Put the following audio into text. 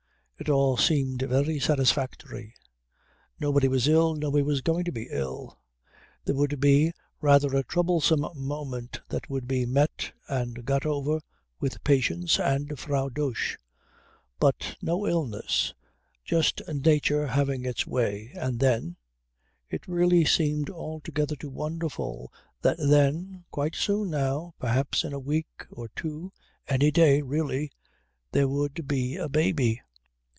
It all seemed very satisfactory. Nobody was ill, nobody was going to be ill. There would be rather a troublesome moment that would be met and got over with patience and Frau Dosch, but no illness, just nature having its way, and then it really seemed altogether too wonderful that then, quite soon now, perhaps in a week or two, any day really, there would be a baby.